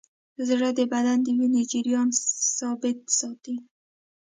زړه د بدن د وینې جریان ثابت ساتي.